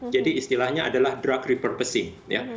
jadi istilahnya adalah drug repurposing